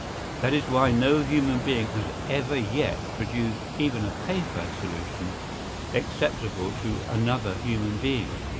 That is why no human being has ever yet produced even a paper solution acceptable to another human being.